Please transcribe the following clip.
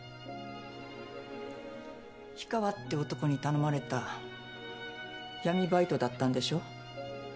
氷川って男に頼まれた闇バイトだったんでしょ？